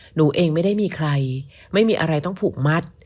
หนูเองไม่ได้มีใครไม่มีอะไรต้องผูกมัด